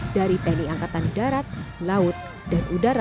dari tni angkatan darat laut dan udara